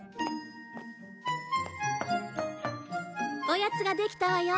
おやつができたわよ。